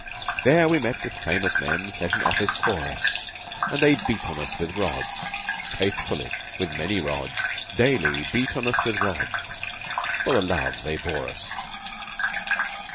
There we met with famous men Set in office o'er us. And they beat on us with rods Faithfully with many rods Daily beat us on with rods For the love they bore us!